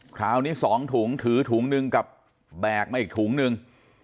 คราวนี้๒ถุงถือถุงหนึ่งกับแบกมาอีกถุงนึง